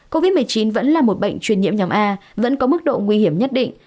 covid một mươi chín vẫn là một bệnh truyền nhiễm nhóm a vẫn có mức độ nguy hiểm nhất định